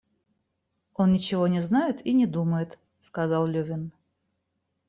Он ничего не знает и не думает, — сказал Левин.